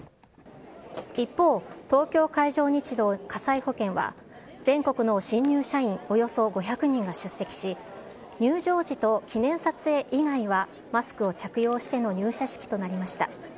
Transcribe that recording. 一方、東京海上日動火災保険は、全国の新入社員およそ５００人が出席し、入場時と記念撮影以外はマスクを着用しての入社式となりました。